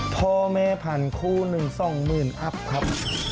พ่อแม่พันคู่หนึ่งสองหมื่นอัพครับ